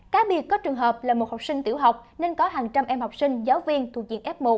cá biệt có trường hợp là một học sinh tiểu học nên có hàng trăm em học sinh giáo viên thuộc diện f một